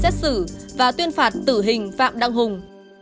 tuyên tòa xét xử và tuyên phạt tử hình phạm đăng hùng